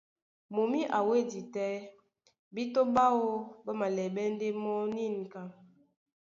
Mumí a wédi tɛ́ bíto ɓáō ɓá malɛɓɛ́ ndé mɔ́ nînka.